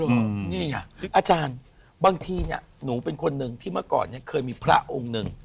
นี่ไงอาจารย์บางทีเนี่ยหนูเป็นคนหนึ่งที่เมื่อก่อนเนี่ยเคยมีพระองค์หนึ่ง